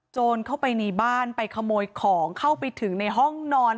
โจรเข้าไปในบ้านไปขโมยของเข้าไปถึงในห้องนอน